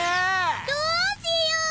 どうしよ！？